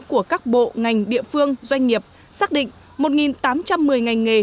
của các bộ ngành địa phương doanh nghiệp xác định một tám trăm một mươi ngành nghề